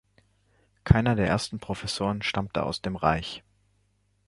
Keiner der ersten Professoren stammte aus dem Reich.